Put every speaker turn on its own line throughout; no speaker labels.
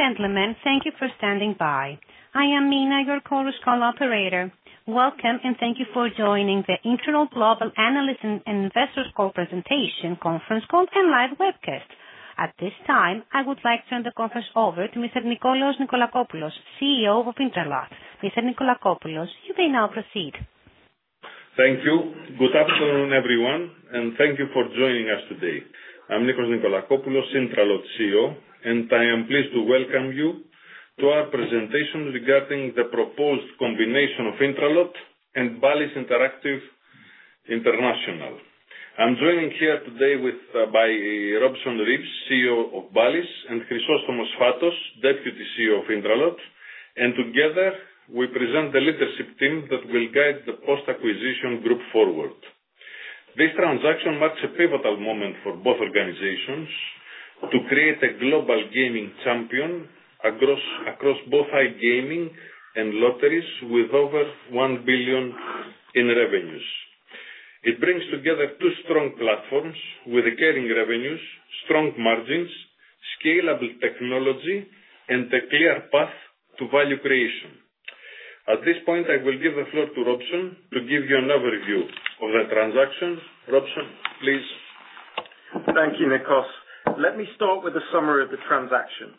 Ladies and gentlemen, thank you for standing by. I am Mina, your chorus call operator. Welcome and thank you for joining the Intralot Global Analyst and Investors Call Presentation conference call and Live Webcast. At this time, I would like to turn the conference over to Mr. Nikolaos Nikolakopoulos, CEO of Intralot. Mr. Nikolakopoulos, you may now proceed.
Thank you. Good afternoon, everyone, and thank you for joining us today. I'm Nikos Nikolakopoulos, Intralot CEO, and I am pleased to welcome you to our presentation regarding the proposed combination of Intralot and Bally's Interactive International. I'm joined here today with Robeson Reeves, CEO of Bally's, and Chrysostomos Sfatos, Deputy CEO of Intralot, and together we present the leadership team that will guide the post-acquisition group forward. This transaction marks a pivotal moment for both organizations to create a global gaming champion across both iGaming and lotteries, with over 1 billion in revenues. It brings together two strong platforms with recurring revenues, strong margins, scalable technology, and a clear path to value creation. At this point, I will give the floor to Robeson to give you an overview of the transaction. Robeson, please.
Thank you, Nikos. Let me start with a summary of the transaction.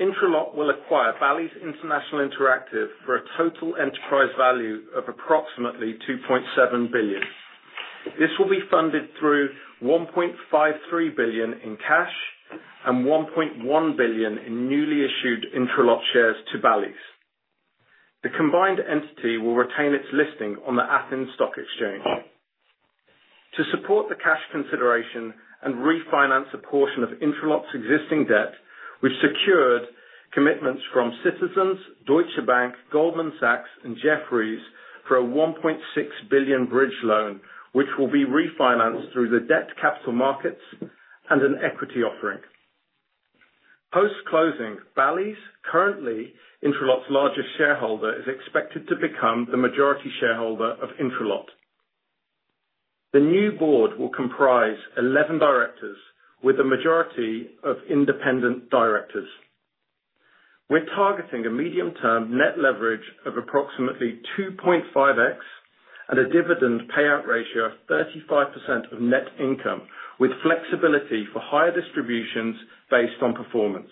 Intralot will acquire Bally's International Interactive for a total enterprise value of approximately 2.7 billion. This will be funded through 1.53 billion in cash and 1.1 billion in newly issued Intralot shares to Bally's. The combined entity will retain its listing on the Athens Stock Exchange. To support the cash consideration and refinance a portion of Intralot's existing debt, we've secured commitments from Citizens, Deutsche Bank, Goldman Sachs, and Jefferies for a 1.6 billion bridge loan, which will be refinanced through the debt capital markets and an equity offering. Post-closing, Bally's, currently Intralot's largest shareholder, is expected to become the majority shareholder of Intralot. The new board will comprise 11 directors with a majority of independent directors. We're targeting a medium-term net leverage of approximately 2.5x and a dividend payout ratio of 35% of net income, with flexibility for higher distributions based on performance.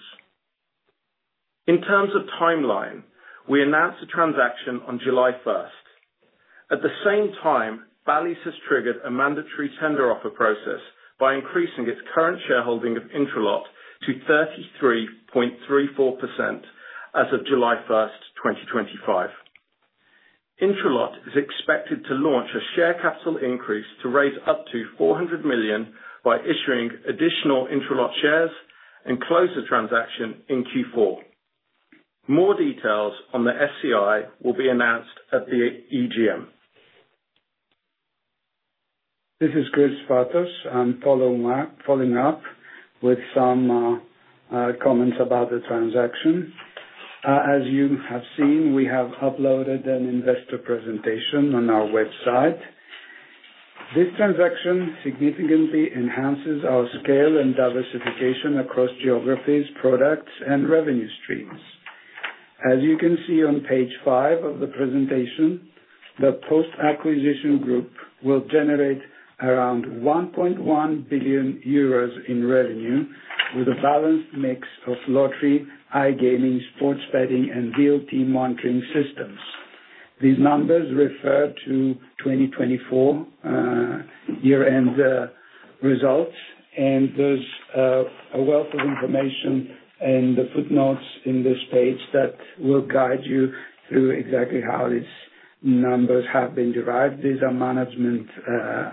In terms of timeline, we announced the transaction on July 1st. At the same time, Bally's has triggered a mandatory tender offer process by increasing its current shareholding of Intralot to 33.34% as of July 1st, 2025. Intralot is expected to launch a share capital increase to raise up to 400 million by issuing additional Intralot shares and close the transaction in Q4. More details on the SCI will be announced at the EGM.
This is Chris Sfatos. I'm following up with some comments about the transaction. As you have seen, we have uploaded an investor presentation on our website. This transaction significantly enhances our scale and diversification across geographies, products, and revenue streams. As you can see on page five of the presentation, the post-acquisition group will generate around 1.1 billion euros in revenue with a balanced mix of lottery, iGaming, sports betting, and VLT monitoring systems. These numbers refer to 2024 year-end results, and there's a wealth of information in the footnotes in this page that will guide you through exactly how these numbers have been derived. These are management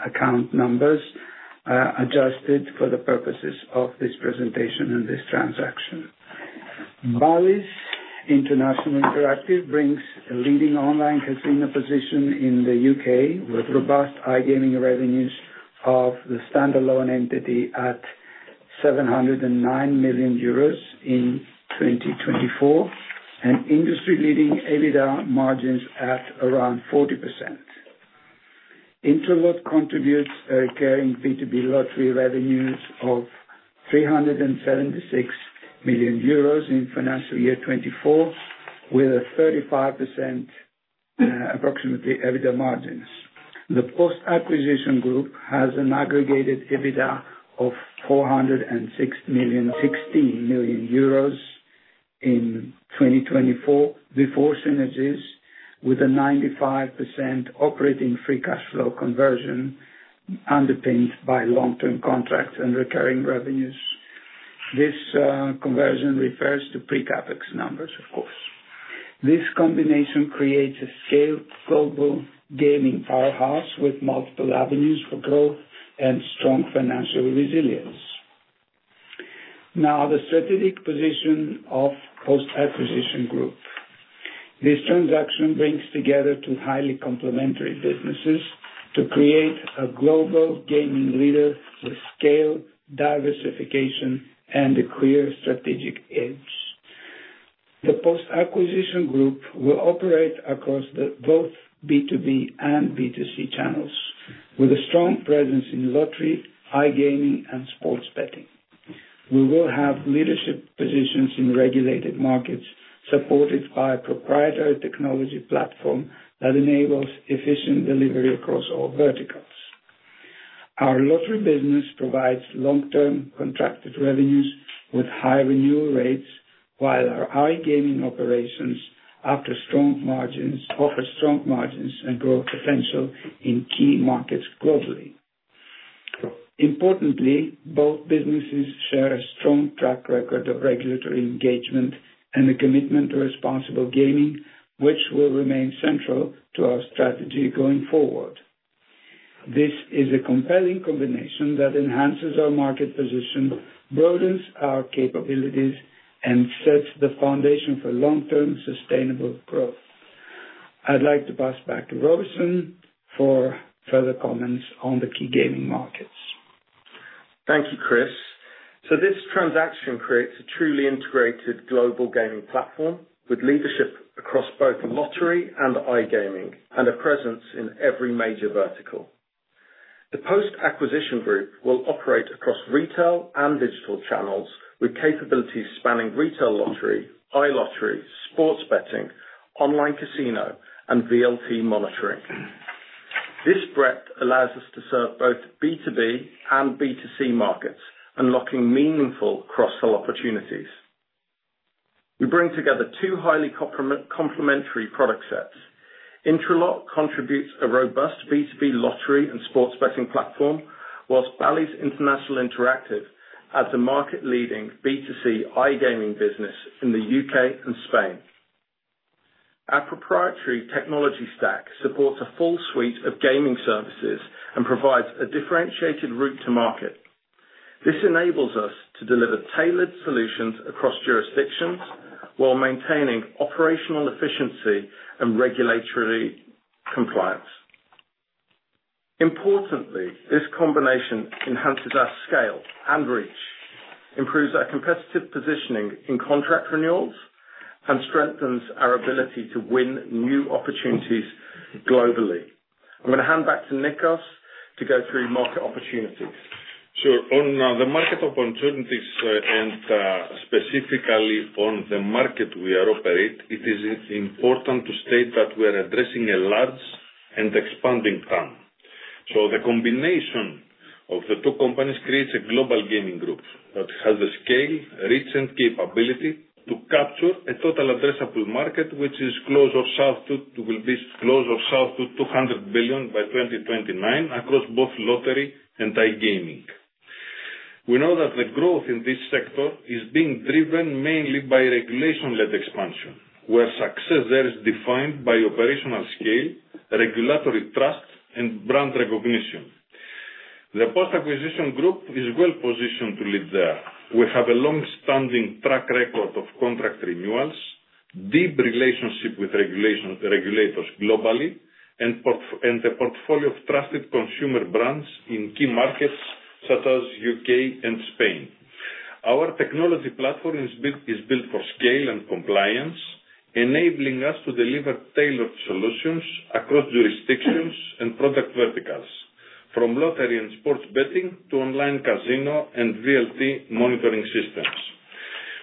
account numbers adjusted for the purposes of this presentation and this transaction. Bally's International Interactive brings a leading online casino position in the U.K. with robust iGaming revenues of the standalone entity at 709 million euros in 2024 and industry-leading EBITDA margins at around 40%. Intralot contributes recurring B2B lottery revenues of 376 million euros in financial year 2024 with a 35% approximate EBITDA margin. The post-acquisition group has an aggregated EBITDA of 416 million in 2024 before synergies with a 95% operating free cash flow conversion underpinned by long-term contracts and recurring revenues. This conversion refers to pre-CapEx numbers, of course. This combination creates a scaled global gaming powerhouse with multiple avenues for growth and strong financial resilience. Now, the strategic position of the post-acquisition group. This transaction brings together two highly complementary businesses to create a global gaming leader with scale, diversification, and a clear strategic edge. The post-acquisition group will operate across both B2B and B2C channels with a strong presence in lottery, iGaming, and sports betting. We will have leadership positions in regulated markets supported by a proprietary technology platform that enables efficient delivery across all verticals. Our lottery business provides long-term contracted revenues with high renewal rates, while our iGaming operations, after strong margins, offer strong margins and growth potential in key markets globally. Importantly, both businesses share a strong track record of regulatory engagement and a commitment to responsible gaming, which will remain central to our strategy going forward. This is a compelling combination that enhances our market position, broadens our capabilities, and sets the foundation for long-term sustainable growth. I'd like to pass back to Robeson for further comments on the key gaming markets.
Thank you, Chris. This transaction creates a truly integrated global gaming platform with leadership across both lottery and iGaming and a presence in every major vertical. The post-acquisition group will operate across retail and digital channels with capabilities spanning retail lottery, iLottery, sports betting, online casino, and VLT monitoring. This breadth allows us to serve both B2B and B2C markets, unlocking meaningful cross-sell opportunities. We bring together two highly complementary product sets. Intralot contributes a robust B2B lottery and sports betting platform, whilst Bally's International Interactive adds a market-leading B2C iGaming business in the U.K. and Spain. Our proprietary technology stack supports a full suite of gaming services and provides a differentiated route to market. This enables us to deliver tailored solutions across jurisdictions while maintaining operational efficiency and regulatory compliance. Importantly, this combination enhances our scale and reach, improves our competitive positioning in contract renewals, and strengthens our ability to win new opportunities globally. I'm going to hand back to Nikos to go through market opportunities.
Sure. On the market opportunities and specifically on the market we are operating, it is important to state that we are addressing a large and expanding town. The combination of the two companies creates a global gaming group that has the scale, reach, and capability to capture a total addressable market, which is close or south to 200 billion by 2029 across both lottery and iGaming. We know that the growth in this sector is being driven mainly by regulation-led expansion, where success there is defined by operational scale, regulatory trust, and brand recognition. The post-acquisition group is well positioned to lead there. We have a long-standing track record of contract renewals, a deep relationship with regulators globally, and a portfolio of trusted consumer brands in key markets such as the U.K. and Spain. Our technology platform is built for scale and compliance, enabling us to deliver tailored solutions across jurisdictions and product verticals, from lottery and sports betting to online casino and VLT monitoring systems.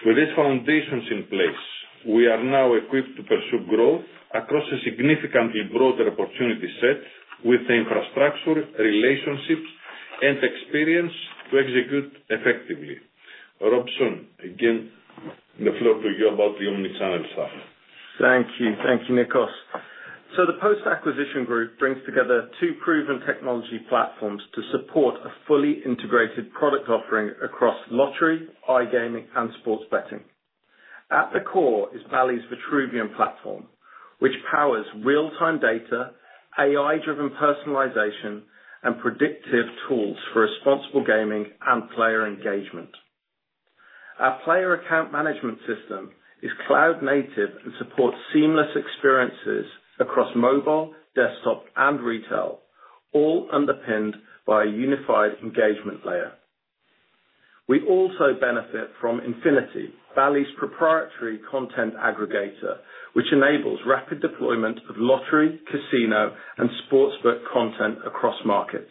With these foundations in place, we are now equipped to pursue growth across a significantly broader opportunity set with the infrastructure, relationships, and experience to execute effectively. Robeson, again, the floor to you about the Omnichannel stuff.
Thank you. Thank you, Nikos. The post-acquisition group brings together two proven technology platforms to support a fully integrated product offering across lottery, iGaming, and sports betting. At the core is Bally's Vitruvian platform, which powers real-time data, AI-driven personalization, and predictive tools for responsible gaming and player engagement. Our player account management system is cloud-native and supports seamless experiences across mobile, desktop, and retail, all underpinned by a unified engagement layer. We also benefit from Infinity, Bally's proprietary content aggregator, which enables rapid deployment of lottery, casino, and sportsbook content across markets.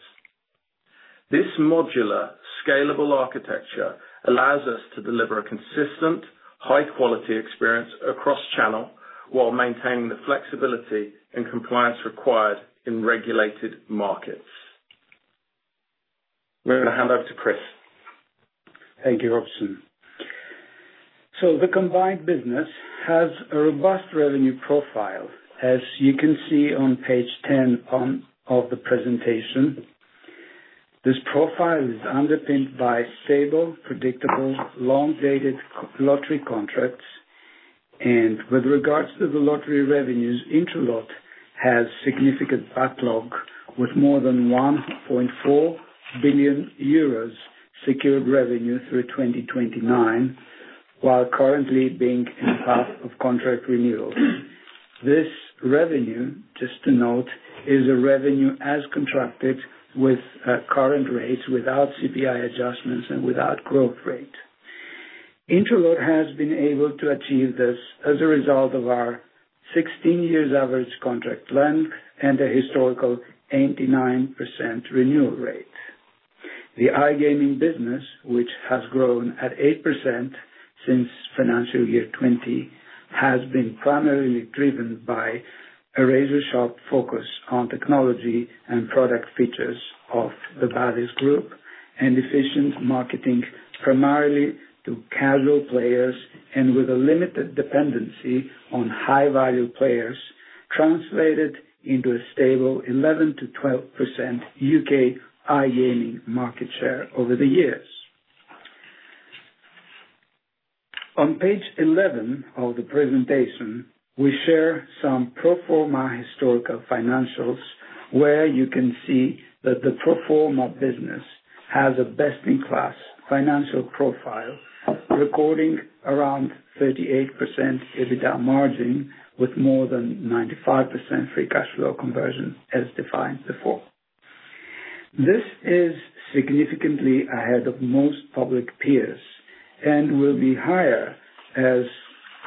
This modular, scalable architecture allows us to deliver a consistent, high-quality experience across channel while maintaining the flexibility and compliance required in regulated markets. We're going to hand over to Chris.
Thank you, Robeson. The combined business has a robust revenue profile, as you can see on page 10 of the presentation. This profile is underpinned by stable, predictable, long-dated lottery contracts. With regards to the lottery revenues, Intralot has significant backlog with more than 1.4 billion euros secured revenue through 2029, while currently being in the path of contract renewal. This revenue, just to note, is revenue as contracted with current rates, without CPI adjustments, and without growth rate. Intralot has been able to achieve this as a result of our 16 years average contract length and a historical 89% renewal rate. The iGaming business, which has grown at 8% since financial year 2020, has been primarily driven by a razor-sharp focus on technology and product features of the Bally's group and efficient marketing primarily to casual players and with a limited dependency on high-value players, translated into a stable 11%-12% U.K. iGaming market share over the years. On page 11 of the presentation, we share some pro forma historical financials, where you can see that the pro forma business has a best-in-class financial profile, recording around 38% EBITDA margin with more than 95% free cash flow conversion, as defined before. This is significantly ahead of most public peers and will be higher as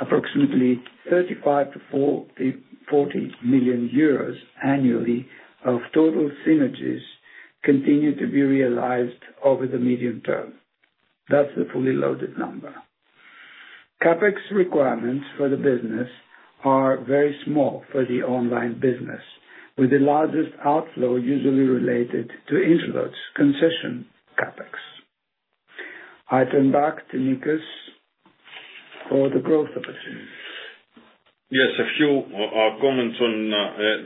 approximately 35 million-40 million euros annually of total synergies continue to be realized over the medium term. That's the fully loaded number. CapEx requirements for the business are very small for the online business, with the largest outflow usually related to Intralot's concession CapEx. I turn back to Nikos for the growth opportunities.
Yes, a few comments on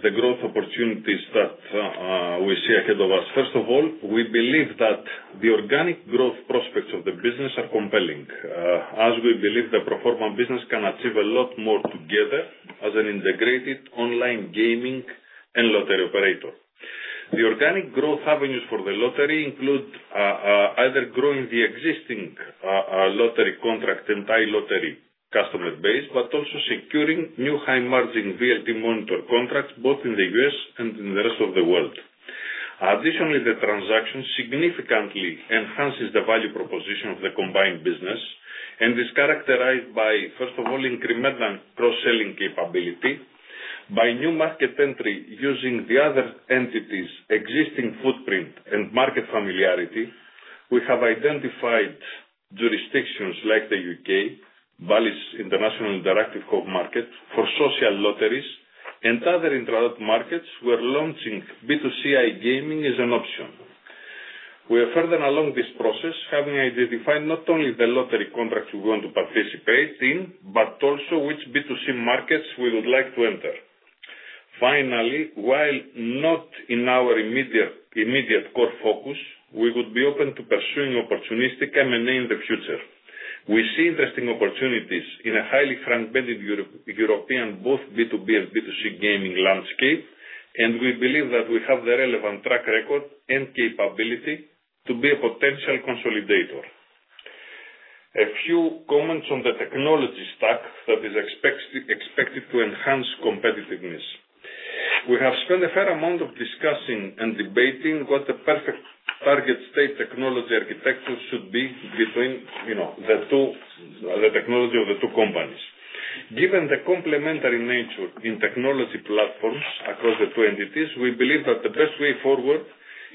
the growth opportunities that we see ahead of us. First of all, we believe that the organic growth prospects of the business are compelling, as we believe the pro forma business can achieve a lot more together as an integrated online gaming and lottery operator. The organic growth avenues for the lottery include either growing the existing lottery contract and iLottery customer base, but also securing new high-margin VLT monitoring contracts, both in the U.S. and in the rest of the world. Additionally, the transaction significantly enhances the value proposition of the combined business and is characterized by, first of all, incremental cross-selling capability. By new market entry using the other entities' existing footprint and market familiarity, we have identified jurisdictions like the U.K., Bally's International Interactive Co-Market for social lotteries, and other Intralot markets where launching B2C iGaming is an option. We are further along this process, having identified not only the lottery contracts we want to participate in, but also which B2C markets we would like to enter. Finally, while not in our immediate core focus, we would be open to pursuing opportunistic M&A in the future. We see interesting opportunities in a highly fragmented European, both B2B and B2C gaming landscape, and we believe that we have the relevant track record and capability to be a potential consolidator. A few comments on the technology stack that is expected to enhance competitiveness. We have spent a fair amount of time discussing and debating what the perfect target state technology architecture should be between the technology of the two companies. Given the complementary nature in technology platforms across the two entities, we believe that the best way forward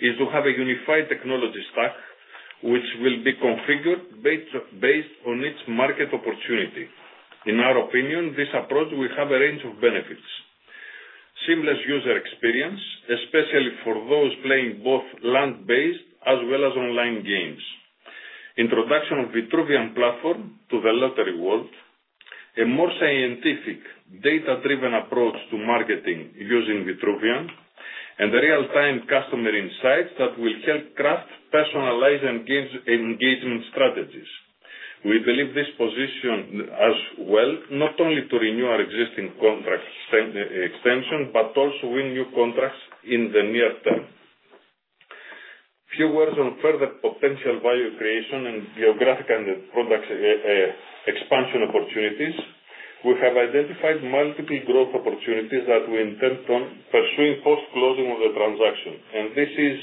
is to have a unified technology stack, which will be configured based on its market opportunity. In our opinion, this approach will have a range of benefits: seamless user experience, especially for those playing both LAN-based as well as online games, introduction of Vitruvian platform to the lottery world, a more scientific, data-driven approach to marketing using Vitruvian, and real-time customer insights that will help craft personalized engagement strategies. We believe this positions us well, not only to renew our existing contract extension, but also win new contracts in the near term. Few words on further potential value creation and geographic and product expansion opportunities. We have identified multiple growth opportunities that we intend on pursuing post-closing of the transaction. This is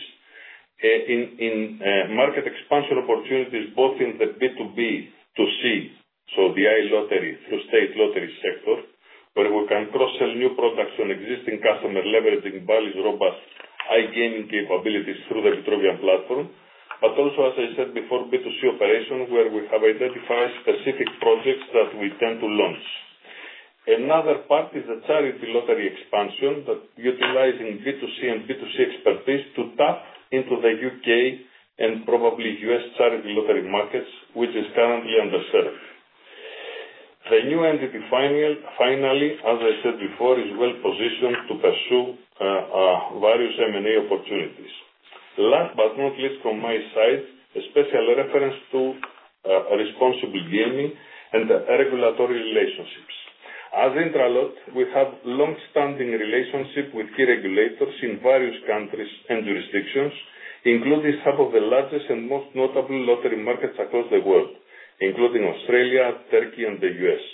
in market expansion opportunities, both in the B2B2C, so the iLottery through state lottery sector, where we can cross-sell new products on existing customers, leveraging Bally's robust iGaming capabilities through the Vitruvian platform, but also, as I said before, B2C operations, where we have identified specific projects that we tend to launch. Another part is the charity lottery expansion that utilizes B2C and B2C expertise to tap into the U.K. and probably U.S. charity lottery markets, which is currently underserved. The new entity, finally, as I said before, is well positioned to pursue various M&A opportunities. Last but not least from my side, a special reference to responsible gaming and regulatory relationships. As Intralot, we have long-standing relationships with key regulators in various countries and jurisdictions, including some of the largest and most notable lottery markets across the world, including Australia, Turkey, and the U.S.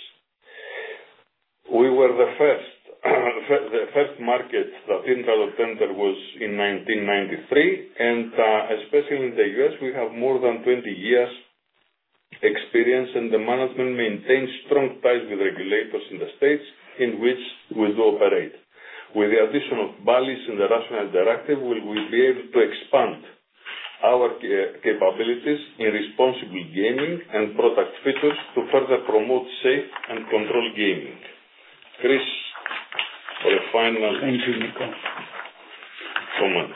We were the first market that Intralot entered was in 1993, and especially in the U.S., we have more than 20 years' experience in the management, maintaining strong ties with regulators in the states in which we do operate. With the addition of Bally's International Interactive, we will be able to expand our capabilities in responsible gaming and product features to further promote safe and controlled gaming. Chris, for a final comment.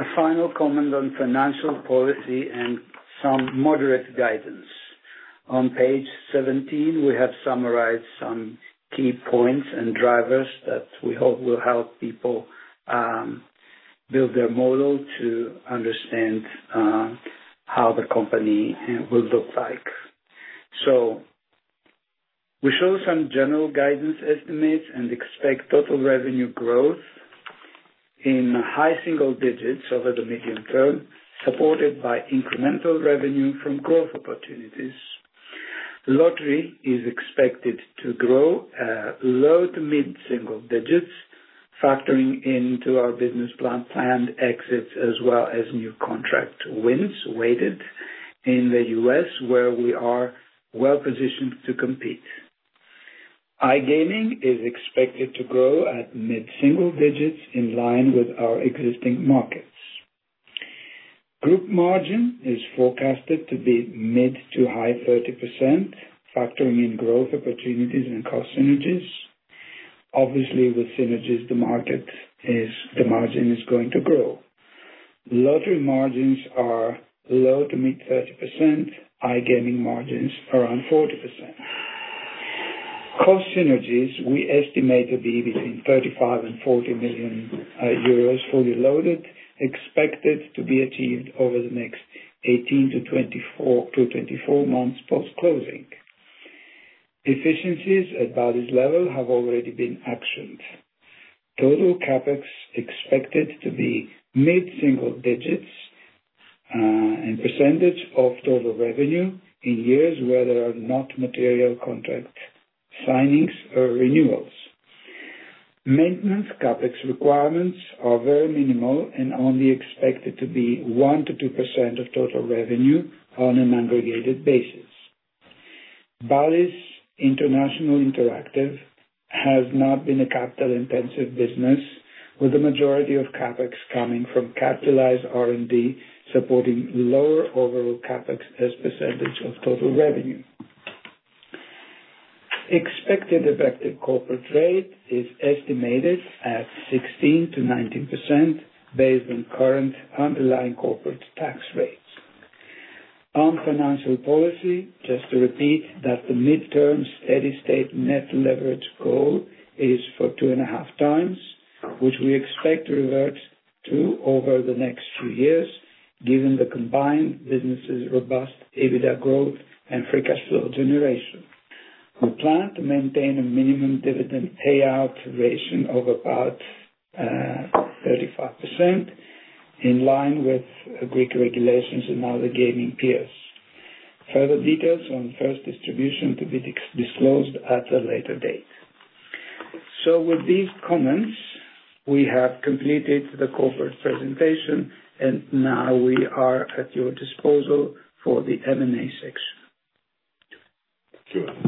A final comment on financial policy and some moderate guidance. On page 17, we have summarized some key points and drivers that we hope will help people build their model to understand how the company will look like. We show some general guidance estimates and expect total revenue growth in high single digits over the medium term, supported by incremental revenue from growth opportunities. Lottery is expected to grow low to mid single digits, factoring into our business plan, planned exits, as well as new contract wins weighted in the U.S., where we are well positioned to compete. iGaming is expected to grow at mid single digits in line with our existing markets. Group margin is forecasted to be mid to high 30%, factoring in growth opportunities and cost synergies. Obviously, with synergies, the margin is going to grow. Lottery margins are low to mid 30%, iGaming margins around 40%. Cost synergies, we estimate to be between 35 million and 40 million euros fully loaded, expected to be achieved over the next 18-24 months post-closing. Efficiencies at Bally's level have already been actioned. Total CapEx expected to be mid single digits in percentage of total revenue in years where there are not material contract signings or renewals. Maintenance CapEx requirements are very minimal and only expected to be 1-2% of total revenue on an aggregated basis. Bally's International Interactive has not been a capital-intensive business, with the majority of CapEx coming from capitalized R&D supporting lower overall CapEx as percentage of total revenue. Expected effective corporate rate is estimated at 16-19% based on current underlying corporate tax rates. On financial policy, just to repeat that the mid-term steady state net leverage goal is for 2.5x, which we expect to revert to over the next few years, given the combined business's robust EBITDA growth and free cash flow generation. We plan to maintain a minimum dividend payout ratio of about 35% in line with Greek regulations and other gaming peers. Further details on first distribution to be disclosed at a later date. With these comments, we have completed the corporate presentation, and now we are at your disposal for the M&A section.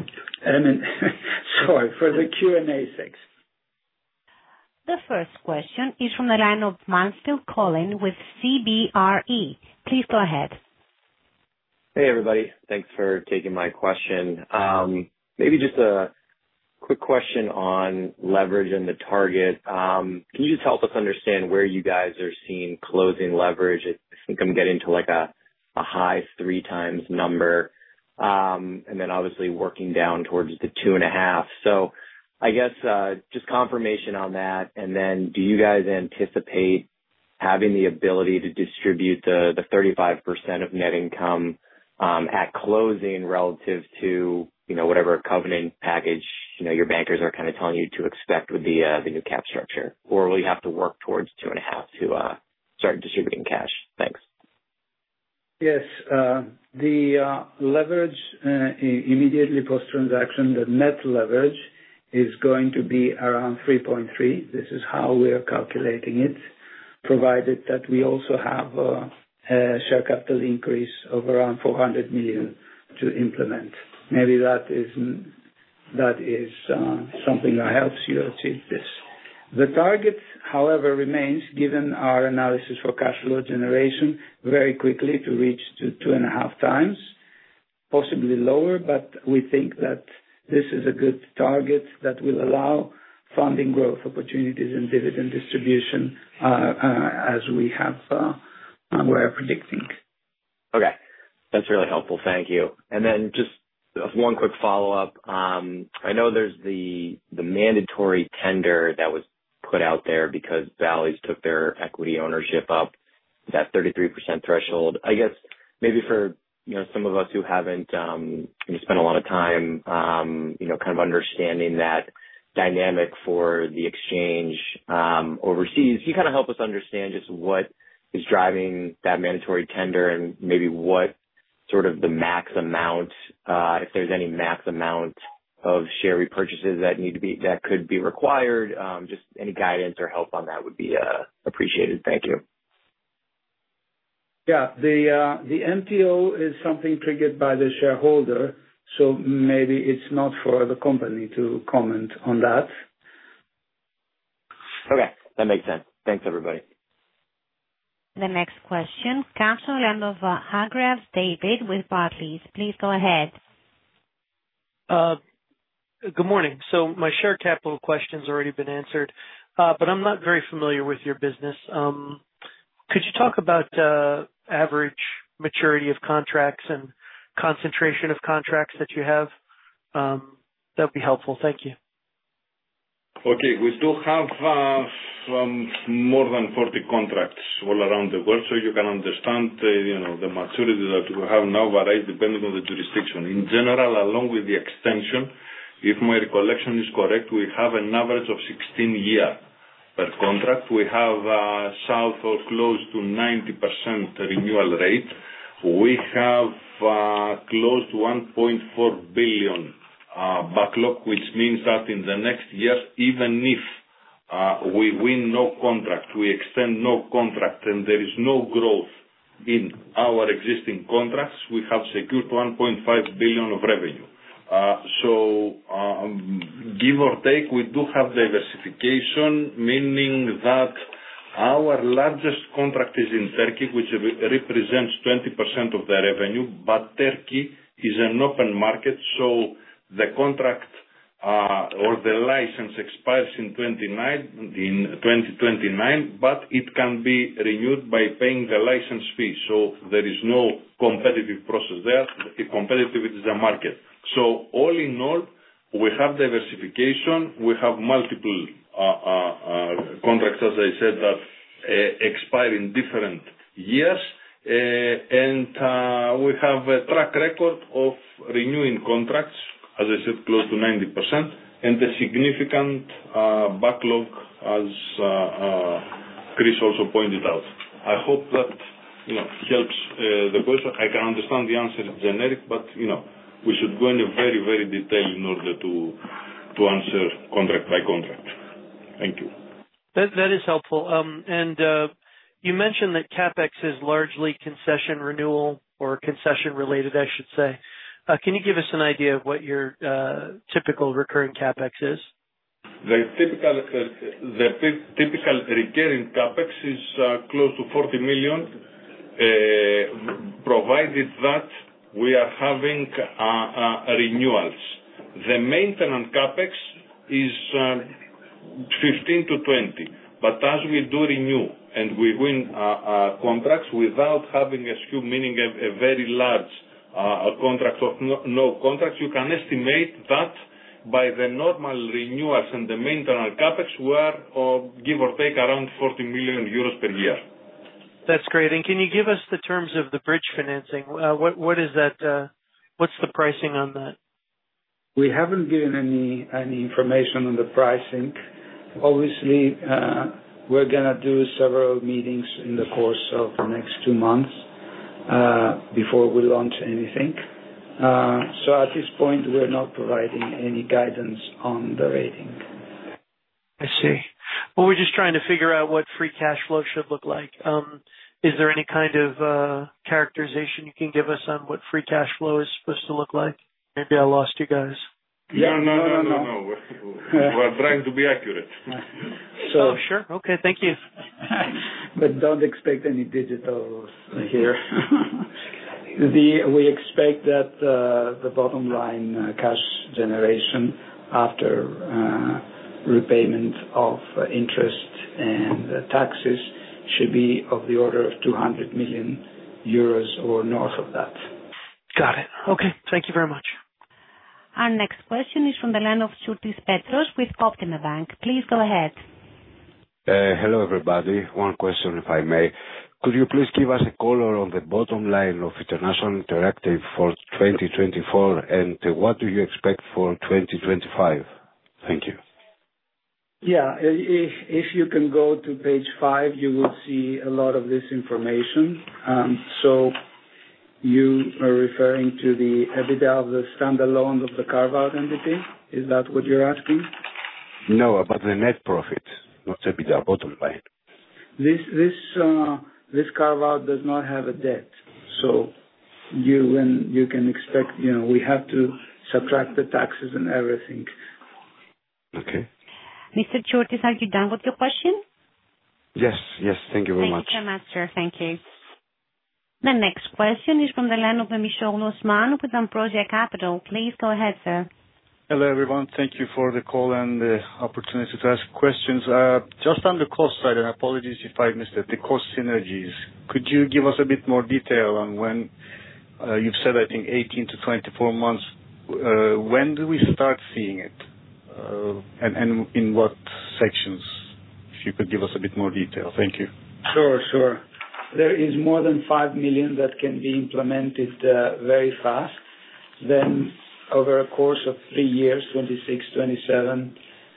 Sorry, for the Q&A section.
The first question is from the line of Mansfield Colin with CBRE. Please go ahead.
Hey, everybody. Thanks for taking my question. Maybe just a quick question on leverage and the target. Can you just help us understand where you guys are seeing closing leverage? I think I'm getting to a high 3x number, and then obviously working down towards the 2.5. I guess just confirmation on that. Do you guys anticipate having the ability to distribute the 35% of net income at closing relative to whatever covenant package your bankers are kind of telling you to expect with the new cap structure? Or will you have to work towards two and a half to start distributing cash? Thanks.
Yes. The leverage immediately post-transaction, the net leverage, is going to be around 3.3. This is how we are calculating it, provided that we also have a share capital increase of around 400 million to implement. Maybe that is something that helps you achieve this. The target, however, remains, given our analysis for cash flow generation, very quickly to reach 2.5x, possibly lower, but we think that this is a good target that will allow funding growth opportunities and dividend distribution as we are predicting.
Okay. That's really helpful. Thank you. And then just one quick follow-up. I know there's the mandatory tender that was put out there because Bally's took their equity ownership up that 33% threshold. I guess maybe for some of us who haven't spent a lot of time kind of understanding that dynamic for the exchange overseas, can you kind of help us understand just what is driving that mandatory tender and maybe what sort of the max amount, if there's any max amount of share repurchases that could be required? Just any guidance or help on that would be appreciated. Thank you.
Yeah. The MTO is something triggered by the shareholder, so maybe it's not for the company to comment on that.
Okay. That makes sense. Thanks, everybody.
The next question, Hargreaves David with Barclays. Please go ahead.
Good morning. So my share capital question's already been answered, but I'm not very familiar with your business. Could you talk about average maturity of contracts and concentration of contracts that you have? That would be helpful. Thank you.
Okay. We still have more than 40 contracts all around the world, so you can understand the maturity that we have now varies depending on the jurisdiction. In general, along with the extension, if my recollection is correct, we have an average of 16 years per contract. We have a south or close to 90% renewal rate. We have close to 1.4 billion backlog, which means that in the next year, even if we win no contract, we extend no contract, and there is no growth in our existing contracts, we have secured 1.5 billion of revenue. Give or take, we do have diversification, meaning that our largest contract is in Turkey, which represents 20% of the revenue. Turkey is an open market, so the contract or the license expires in 2029, but it can be renewed by paying the license fee. There is no competitive process there. Competitive, it is a market. All in all, we have diversification. We have multiple contracts, as I said, that expire in different years, and we have a track record of renewing contracts, as I said, close to 90%, and a significant backlog, as Chris also pointed out. I hope that helps the question. I can understand the answer is generic, but we should go into very, very detail in order to answer contract by contract. Thank you.
That is helpful. You mentioned that CapEx is largely concession renewal or concession related, I should say. Can you give us an idea of what your typical recurring CapEx is?
The typical recurring CapEx is close to 40 million, provided that we are having renewals. The maintenance CapEx is 15-20 million. As we do renew and we win contracts without having a, meaning a very large contract or no contracts, you can estimate that by the normal renewals and the maintenance CapEx, we are, give or take, around 40 million euros per year.
That's great. Can you give us the terms of the bridge financing? What is that? What's the pricing on that?
We haven't given any information on the pricing. Obviously, we're going to do several meetings in the course of the next two months before we launch anything. At this point, we're not providing any guidance on the rating.
I see. We're just trying to figure out what free cash flow should look like. Is there any kind of characterization you can give us on what free cash flow is supposed to look like? Maybe I lost you guys.
No, no, no. We are trying to be accurate.
Oh, sure. Okay. Thank you.
Don't expect any digitals here. We expect that the bottom line cash generation after repayment of interest and taxes should be of the order of 200 million euros or north of that.
Got it. Okay. Thank you very much.
Our next question is from the line of Tsourtis Petros with Optima Bank. Please go ahead.
Hello, everybody. One question, if I may. Could you please give us a color on the bottom line of International Interactive for 2024, and what do you expect for 2025? Thank you.
Yeah. If you can go to page five, you will see a lot of this information. You are referring to the EBITDA of the standalone of the carve-out entity? Is that what you're asking?
No, about the net profit, not EBITDA bottom line.
This carve-out does not have a debt, so you can expect we have to subtract the taxes and everything.
Okay.
Mr. Tsourtis, are you done with your question?
Yes. Yes. Thank you very much.
Thank you so much, sir. Thank you. The next question is from the line of Memisoglou Osman with AMBROSIA CAPITAL. Please go ahead, sir.
Hello, everyone. Thank you for the call and the opportunity to ask questions. Just on the cost side, and apologies if I missed it, the cost synergies. Could you give us a bit more detail on when you've said, I think, 18-24 months? When do we start seeing it? And in what sections? If you could give us a bit more detail. Thank you.
Sure, sure. There is more than 5 million that can be implemented very fast. Then over a course of three years, 2026, 2027,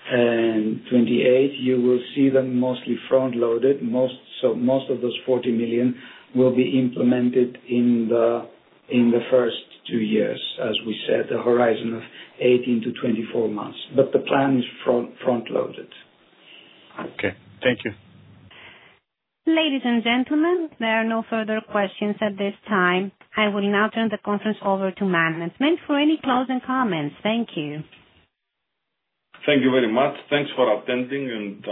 and 2028, you will see them mostly front-loaded. Most of those 40 million will be implemented in the first two years, as we said, the horizon of 18-24 months. The plan is front-loaded.
Okay. Thank you.
Ladies and gentlemen, there are no further questions at this time. I will now turn the conference over to management for any closing comments. Thank you.
Thank you very much. Thanks for attending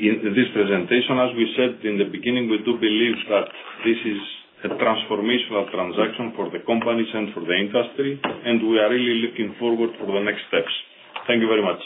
this presentation. As we said in the beginning, we do believe that this is a transformational transaction for the companies and for the industry, and we are really looking forward for the next steps. Thank you very much.